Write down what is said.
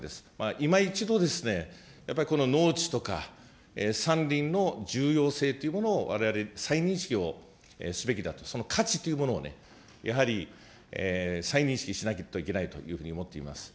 今一度ですね、やっぱりこの農地とか山林の重要性というものをわれわれ再認識をすべきだと、その価値というものをね、やはり再認識しないといけないというふうに思っています。